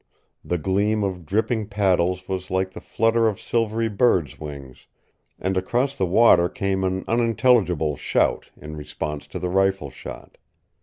The gleam of dripping paddles was like the flutter of silvery birds' wings, and across the water came an unintelligible shout in response to the rifle shot.